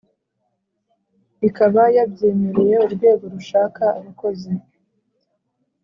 ikaba yabyemereye urwego rushaka abakozi